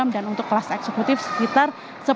dan untuk kelas eksekutif sekitar